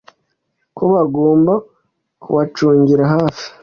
ko bagomba kubacungira hafi